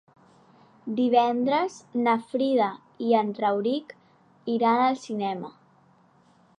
Divendres na Frida i en Rauric iran al cinema.